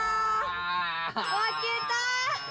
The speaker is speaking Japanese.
負けたー。